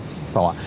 phải không ạ